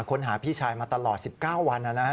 ค้นหาพี่ชายมาตลอด๑๙วัน